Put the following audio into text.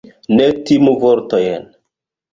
Ne timu vortojn.